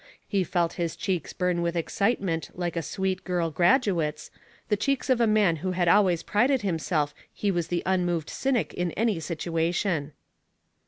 He felt his cheeks burn with excitement like a sweet girl graduate's the cheeks of a man who had always prided himself he was the unmoved cynic in any situation.